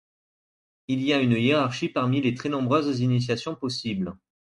Il y a une hiérarchie parmi les très nombreuses initiations possibles.